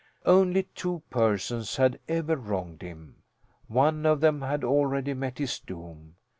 Only two persons had ever wronged him. One of them had already met his doom.